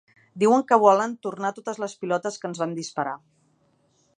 Diuen que volen ‘tornar totes les pilotes que ens van disparar’.